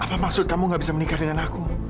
apa maksud kamu gak bisa menikah dengan aku